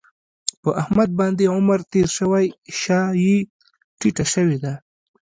په احمد باندې عمر تېر شوی شا یې ټیټه شوې ده.